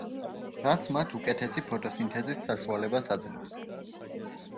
რაც მათ უკეთესი ფოტოსინთეზის საშუალებას აძლევს.